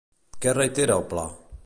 Què reitera el pla?